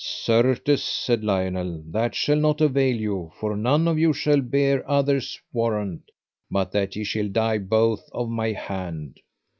Certes, said Lionel, that shall not avail you, for none of you shall bear others warrant, but that ye shall die both of my hand.